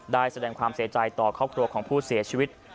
ได้แสดงความเสียใจต่อครอบครัวของผู้เสียชีวิต